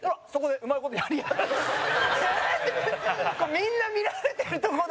みんな見られてるとこで。